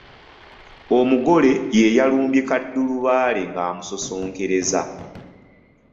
Omugole y’eyalumbye kaddulubaale ng’amusosonkereza.